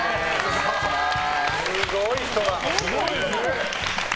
すごい人だ。